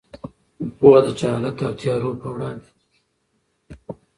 پوهه د جهالت او تیارو په وړاندې یوازینۍ رڼا ده.